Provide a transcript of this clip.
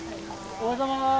おはようございます！